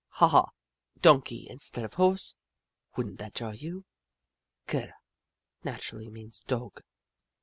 Haw Haw — "Donkey instead of horse. Would n't that jar you ?" Ker, naturally, means "dog."